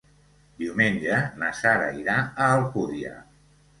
Diumenge na Sara irà a Alcúdia.